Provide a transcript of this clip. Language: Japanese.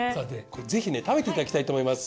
ぜひね食べていただきたいと思います。